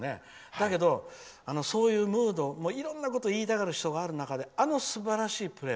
だけど、そういうムードいろんなことを言いたがる人がいる中であのすばらしいプレー